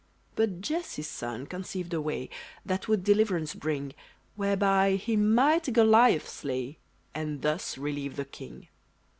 But Jesse's son conceived a way, That would deliverance bring; Whereby he might Goliath slay, And thus relieve the king.